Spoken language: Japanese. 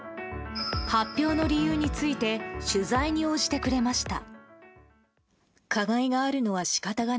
発表の理由について取材に応じてくれました。